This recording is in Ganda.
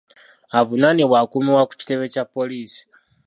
Avunaanibwa akuumibwa ku kitebe kya poliisi.